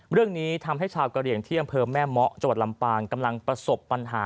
เรื่องนี้ทำให้ชาวกะเหลี่ยงที่อำเภอแม่เมาะจังหวัดลำปางกำลังประสบปัญหา